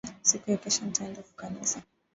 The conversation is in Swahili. Siku ya kesho nitaenda kukanisa